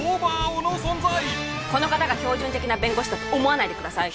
この方が標準的な弁護士だと思わないでください